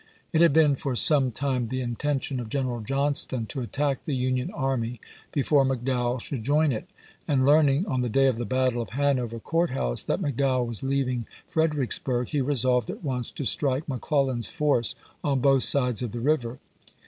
It had been for some time the intention of General Johnston to attack the Union army before McDowell should join it ; and learning, on the day of the battle of Hanover Court House, that McDowell was leaving Fred ericksburg, he resolved at once to strike McClel lan's force on both sides of the river.